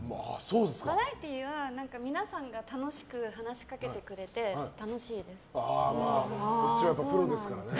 バラエティーは皆さんが楽しく話しかけてくれてこっちはプロですからね。